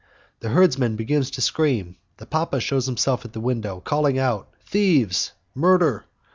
The herdsman begins to scream, the papa shows himself at the window, calling out, "Thieves! Murder!"